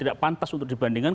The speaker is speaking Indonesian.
tidak pantas untuk dibandingkan